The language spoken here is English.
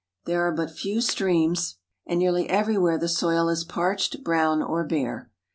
There are but few streams, and nearly everywhere the soil is parched, brown, or bare.